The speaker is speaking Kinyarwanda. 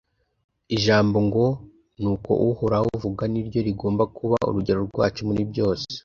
ijambo ngo, niko uhoraho avuga ni ryo rigomba kuba urugero rwacu muri byose. .